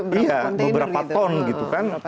beberapa ton gitu kan